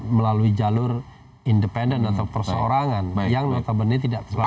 melalui jalur independen atau perseorangan yang notabene tidak terlalu